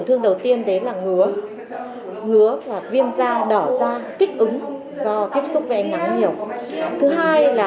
thương đầu tiên đấy là ngứa ngứa và viêm da đỏ da kích ứng do tiếp xúc với ánh nắng nhiều thứ hai là